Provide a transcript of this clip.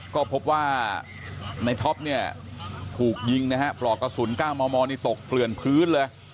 ก็พบว่าในท็อปเนี่ยถูกยิงนะฮะปลอกกระสุน๙มมนี่ตกเกลื่อนพื้นเลย